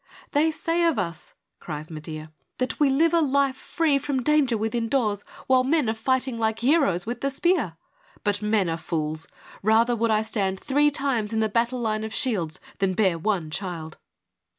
' They say of us,' cries Medea, ' that we live a life free from danger within doors, while men are fighting like heroes with the spear. But men are fools. Rather would I stand three times in the battle line of shields than bear one child.'